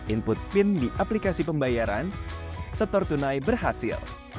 input pin di aplikasi pembayaran setor tunai berhasil